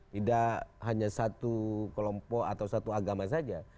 tidak hanya satu kelompok atau satu agama saja